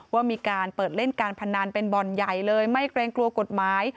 ว่ามีการเปิดเล่นการพนันเป็นบ่อนใหญ่เลยไม่เกรงกลัวกฎหมาย